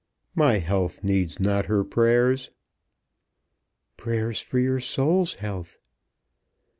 "My health needs not her prayers." "Prayers for your soul's health."